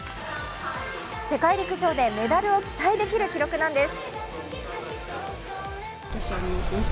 世界陸上でメダルを期待できる記録なんです。